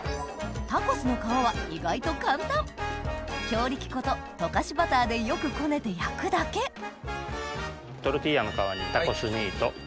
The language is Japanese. タコスの皮は意外と簡単強力粉と溶かしバターでよくこねて焼くだけトルティーヤの皮にタコミート。